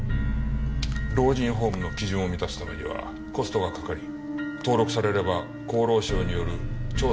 老人ホームの基準を満たすためにはコストがかかり登録されれば厚労省による調査や指導が入ります。